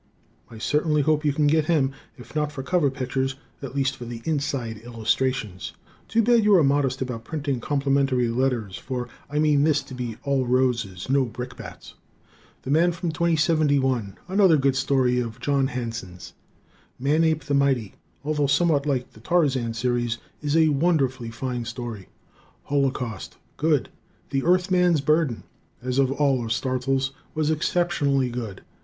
I certainly hope you can get him, if not for cover pictures, at least for the inside illustrations. (Too bad you are modest about printing complimentary letters, for I mean this to be all roses, no brickbats.) "The Man from 2071" another good story of "John Hanson's." "Manape the Mighty," although somewhat like the Tarzan series, is a wonderfully fine story. "Holocaust" good. "The Earthman's Burden," as all of Starzl's, was exceptionally good.